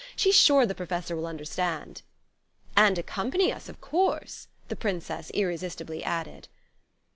She's sure the Professor will understand...." "And accompany us, of course," the Princess irresistibly added.